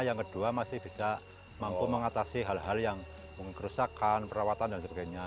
yang kedua masih bisa mampu mengatasi hal hal yang mungkin kerusakan perawatan dan sebagainya